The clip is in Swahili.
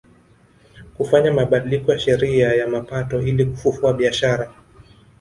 Kufanya mabadiliko ya sheria ya mapato ili kufufua biashara